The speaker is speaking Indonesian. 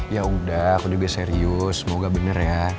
ya udah aku juga serius semoga benar ya